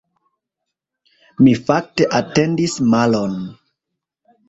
Mi fakte atendis malon.